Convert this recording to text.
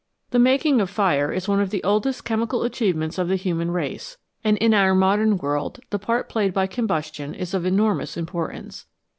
The making of fire is one of the oldest chemical achievements of the human race, and in our modern world the part played by combustion is of enormous importance.